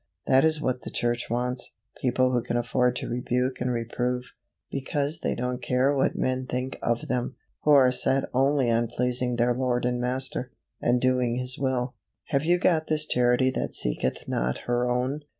That is what the church wants people who can afford to rebuke and reprove, because they don't care what men think of THEM who are set only on pleasing their Lord and Master, and doing His will. Have you got this Charity that seeketh not her own?